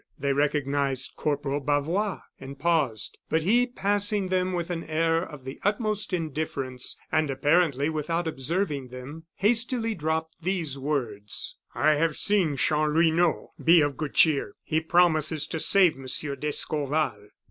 They recognized Corporal Bavois, and paused. But he, passing them with an air of the utmost indifference, and apparently without observing them, hastily dropped these words: "I have seen Chanlouineau. Be of good cheer; he promises to save Monsieur d'Escorval!"